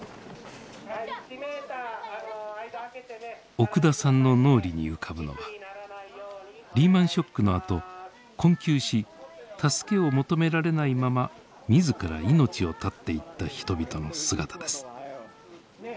奥田さんの脳裏に浮かぶのはリーマンショックのあと困窮し助けを求められないまま自ら命を絶っていった人々の姿です。